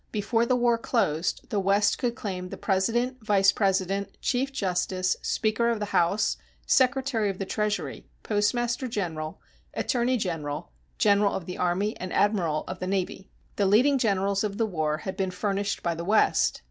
Before the war closed, the West could claim the President, Vice President, Chief Justice, Speaker of the House, Secretary of the Treasury, Postmaster General, Attorney General, General of the army, and Admiral of the navy. The leading generals of the war had been furnished by the West.